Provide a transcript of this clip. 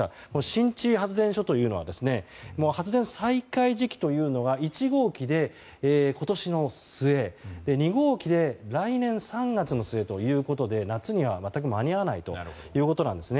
新地発電所というのは発電再開時期というのは１号機で今年の末２号機で来年３月の末ということで夏には全く間に合わないということなんです。